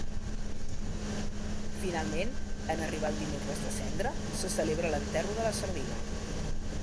Finalment, en arribar el Dimecres de Cendra, se celebra l'Enterro de la Sardina.